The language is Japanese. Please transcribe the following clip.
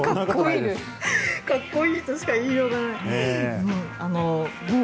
かっこいいとしか言いようがない。